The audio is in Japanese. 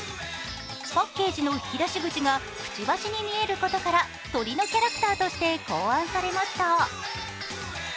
パッケージの引き出し口がくちばしに見えることから鳥のキャラクターとして考案されました。